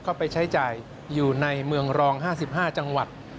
ไปใช้จ่ายอยู่ในเมืองรอง๕๕จังหวัด